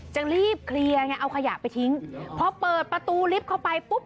จะรีบเคลียร์ไงเอาขยะไปทิ้งพอเปิดประตูลิฟต์เข้าไปปุ๊บ